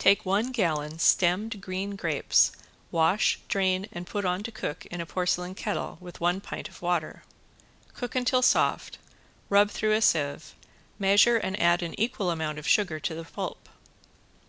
Take one gallon stemmed green grapes, wash, drain and put on to cook in a porcelain kettle with one pint of water. Cook until soft, rub through a sieve, measure and add an equal amount of sugar to the pulp.